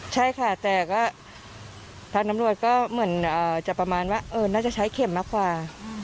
ใช่ค่ะแต่ก็ทางตำรวจก็เหมือนจะประมาณว่าน่าจะใช้เข็มมากกว่า